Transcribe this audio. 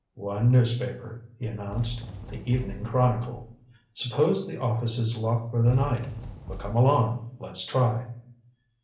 "One newspaper," he announced. "The Evening Chronicle. Suppose the office is locked for the night but come along, let's try."